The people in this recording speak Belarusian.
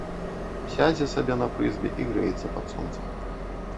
Сядзе сабе на прызбе й грэецца пад сонца.